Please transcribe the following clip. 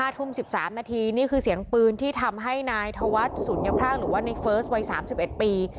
ทุ่ม๑๓นาทีนี่คือเสียงปืนที่ทำให้นายธวัฒน์ศูนยพรากหรือว่าในเฟิร์สวัย๓๑ปี